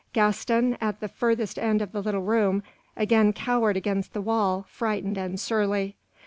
Gaston, at the furthest end of the little room, again cowered against the wall, frightened and surly.